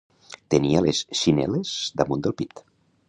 Tenies les xinel·les damunt del pit.